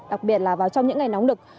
đặc biệt là vào trong những ngày nóng lực